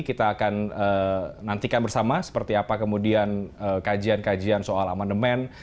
kita akan nantikan bersama seperti apa kemudian kajian kajian soal amandemen